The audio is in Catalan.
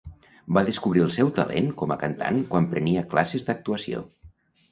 Va descobrir el seu talent com a cantant quan prenia classes d'actuació.